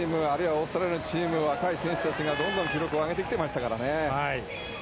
オーストラリアのチームの若い選手たちがどんどん記録を上げてきてましたからね。